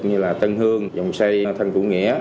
như là tân hương vòng xoay thân cửu nghĩa